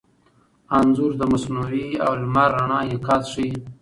انځور د مصنوعي او لمر رڼا انعکاس ښيي.